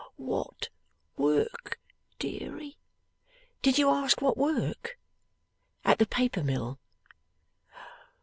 'What work, deary?' 'Did you ask what work? At the paper mill.